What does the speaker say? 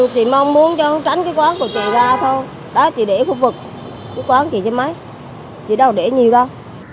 chị mong muốn cho hắn tránh cái quán của chị ra thôi đó chị để khu vực của quán chị trên máy chị đâu để nhiều đâu